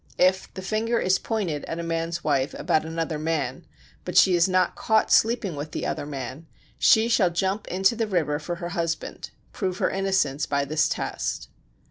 If the "finger is pointed" at a man's wife about another man, but she is not caught sleeping with the other man, she shall jump into the river for her husband [prove her innocence by this test].